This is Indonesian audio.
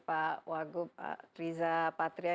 pak wagub riza patria